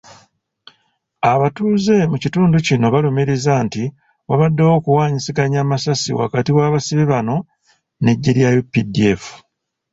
Abatuuze mu kitundu kino balumiriza nti, wabaddewo okuwanyisiganya amasasi wakati w'abasibe bano n'eggye lya UPDF.